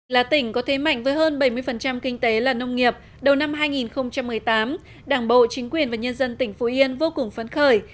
là tỉnh có thế mạnh với hơn bảy mươi kinh tế là nông nghiệp đầu năm hai nghìn một mươi tám đảng bộ chính quyền và nhân dân tỉnh phú yên vô cùng phấn khởi